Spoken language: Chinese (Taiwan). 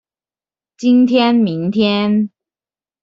今天明天